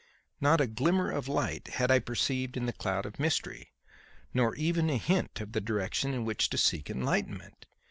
Not a glimmer of light had I perceived in the cloud of mystery, nor even a hint of the direction in which to seek enlightenment.